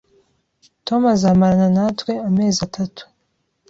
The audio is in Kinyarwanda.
Tom azamarana natwe amezi atatu